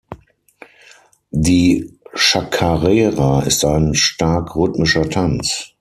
Die Chacarera ist ein stark rhythmischer Tanz.